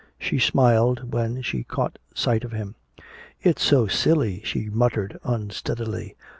She smiled when she caught sight of him. "It's so silly!" she muttered unsteadily.